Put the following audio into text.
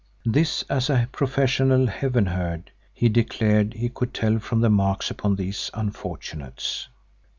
This, as a professional "Heaven herd," he declared he could tell from the marks upon these unfortunates.